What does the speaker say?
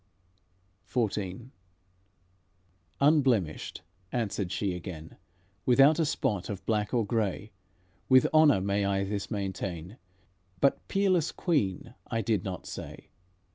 XIV "Unblemished," answered she again, "Without a spot of black or gray, With honour may I this maintain; But 'peerless Queen' I did not say.